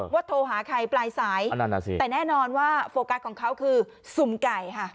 โทรหาใครปลายสายแต่แน่นอนว่าโฟกัสของเขาคือสุ่มไก่ค่ะ